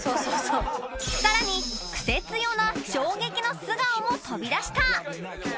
さらにクセ強な衝撃の素顔も飛び出した